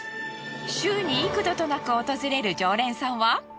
週に幾度となく訪れる常連さんは？